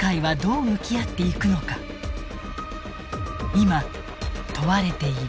今問われている。